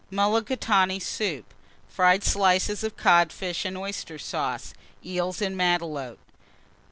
Mulligatawny Soup. Fried slices of Codfish and Oyster Sauce. Eels en Matelote.